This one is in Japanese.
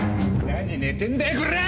何寝てんだよこら！